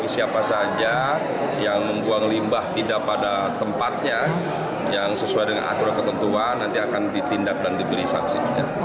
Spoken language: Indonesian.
siapa saja yang membuang limbah tidak pada tempatnya yang sesuai dengan aturan ketentuan nanti akan ditindak dan diberi saksi